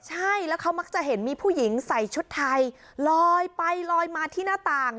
ใช่แล้วเขามักจะเห็นมีผู้หญิงใส่ชุดไทยลอยไปลอยมาที่หน้าต่าง